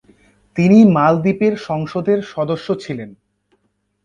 তিনি মালদ্বীপের সংসদের সদস্য ছিলেন।